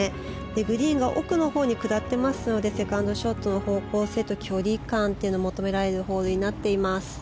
グリーンが奥のほうに下っていますのでセカンドショットの方向性と距離感というのが求められるホールになっています。